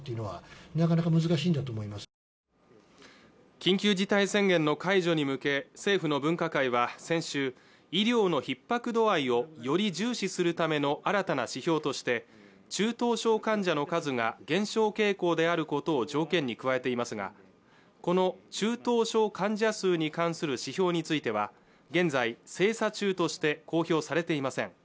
緊急事態宣言の解除に向け政府の分科会は先週医療の逼迫度合いをより重視するための新たな指標として中等症患者の数が減少傾向であることを条件に加えていますがこの中等症患者数に関する指標については現在精査中として公表されていません